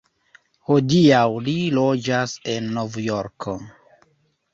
Hodiaŭ li loĝas en Novjorko.